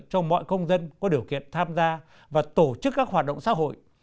cho mọi công dân có điều kiện tham gia và tổ chức các hoạt động xã hội